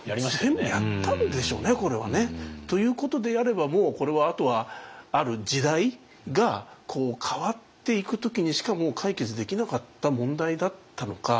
全部やったんでしょうねこれはね。ということであればもうこれはあとはある時代がこう変わっていく時にしか解決できなかった問題だったのか。